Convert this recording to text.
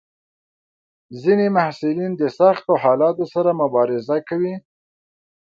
ځینې محصلین د سختو حالاتو سره مبارزه کوي.